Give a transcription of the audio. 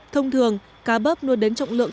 thông thường cá bóp nuôi đến trọng lượng